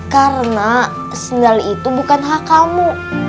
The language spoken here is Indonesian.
karena sendal itu bukan hak kamu